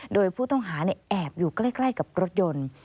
โดยผู้ต้องหาแอบอยู่ใกล้กับรถยนต์